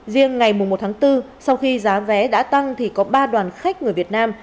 riêng ngày một tháng bốn sau khi giá vé đã tăng thì có ba đoàn khách người việt nam